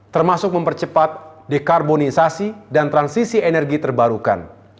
termasuk mempercepat dekarbonisasi dan transisi energi terbarukan